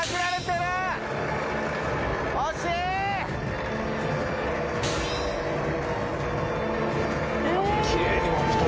惜しい！